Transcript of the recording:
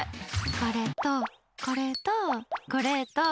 これと、これと、これと。